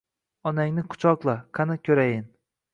Onangni kuchoqla, qani, ko'rayin.